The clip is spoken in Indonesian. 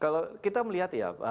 kalau kita melihat ya